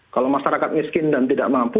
kalau masyarakat miskin dan tidak mampu